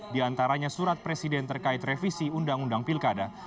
diantaranya surat presiden terkait revisi undang undang pilkada